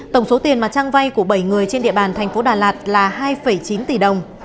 tổng số tiền mà trang vay của bảy người trên địa bàn thành phố đà lạt là hai chín tỷ đồng